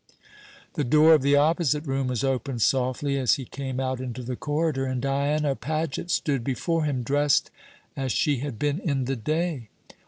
The door of the opposite room was opened softly as he came out into the corridor, and Diana Paget stood before him, dressed as she had been in the day.